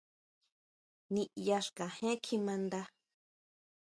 Niyá xkajen kjimaʼnda.